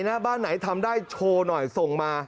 หน้าบ้านไหนทำได้โชว์หน่อยส่งมา